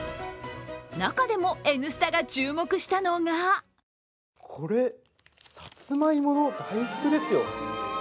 中でも「Ｎスタ」が注目したのがこれ、さつまいもの大福ですよ！